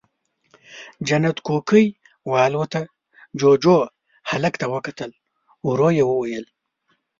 جنت کوکۍ والوته، جُوجُو، هلک ته وکتل، ورو يې وويل: